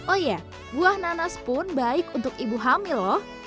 oh iya buah nanas pun baik untuk ibu hamil loh